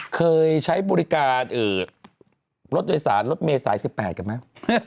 เคยใช้บริการรถโดยสารรถเมย์สาย๑๘กันไหม